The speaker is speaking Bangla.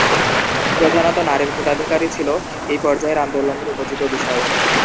প্রধানত নারীর ভোটাধিকার-ই ছিল এই পর্যায়ের আন্দোলনের উপজীব্য বিষয়।